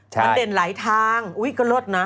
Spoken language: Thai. มันเด่นหลายทางอุ๊ยก็เลิศนะ